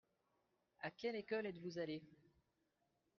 À quelle école êtes-vous allé ?